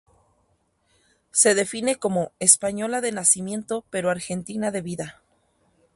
Se define como "española de nacimiento pero argentina de vida".